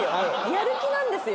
やる気なんですよ